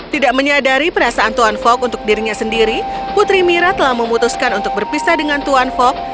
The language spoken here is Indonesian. tidak menyadari perasaan tuan fok untuk dirinya sendiri putri mira telah memutuskan untuk berpisah dengan tuan fok